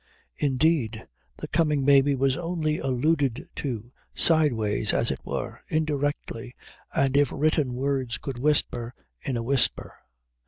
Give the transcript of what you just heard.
Indeed, the coming baby was only alluded to sideways as it were, indirectly, and if written words could whisper, in a whisper.